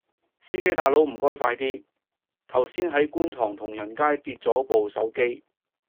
司機大佬唔該快啲，頭先喺觀塘同仁街跌左部手機